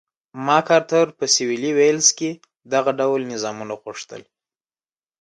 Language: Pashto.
مک ارتر په سوېلي ویلز کې دغه ډول نظامونه غوښتل.